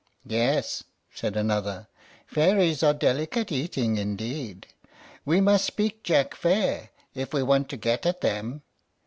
"Yes," said another, "fairies are delicate eating indeed. We must speak Jack fair if we want to get at them."